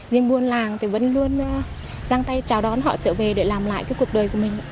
nhưng buôn làng thì vẫn luôn giang tay chào đón họ trở về để làm lại cái cuộc đời của mình